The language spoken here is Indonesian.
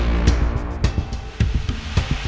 mungkin gue bisa dapat petunjuk lagi disini